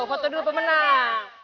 foto dulu pemenang